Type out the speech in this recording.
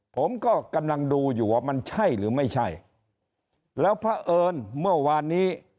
ผมก็กำลังดูอยู่ว่ามันใช่หรือไม่ใช่แล้วพระเอิญเมื่อวานนี้